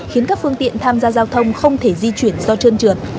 khiến các phương tiện tham gia giao thông không thể di chuyển do trơn trượt